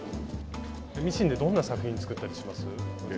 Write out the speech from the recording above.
ミシンでどんな作品つくったりします？